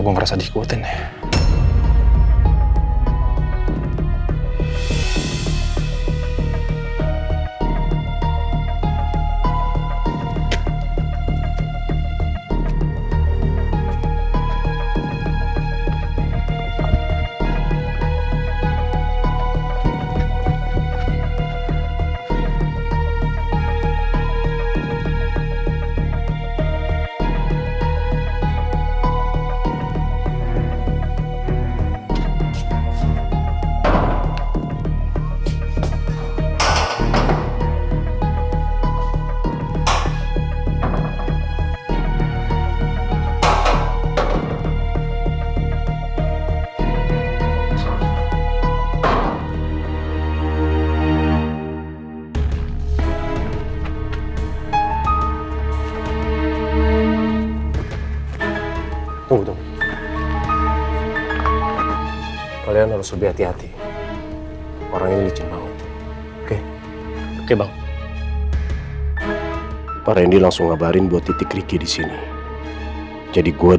gua harus berkepenyenapan beristirahat